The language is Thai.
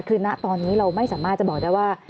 คือณตอนนี้เราไม่สามารถจะบอกได้ว่า